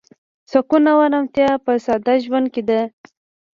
سکون او ارامتیا په ساده ژوند کې ده.